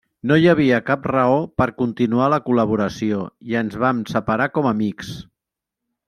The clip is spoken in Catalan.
No hi havia cap raó per continuar la col·laboració i ens vam separar com amics.